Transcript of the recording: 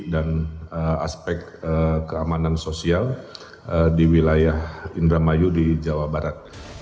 dan aspek keamanan sosial di wilayah indramayu di jawa barat